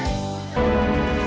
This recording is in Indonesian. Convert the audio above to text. terima kasih pak hendrik